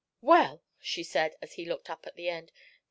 "Well," she said, as he looked up at the end.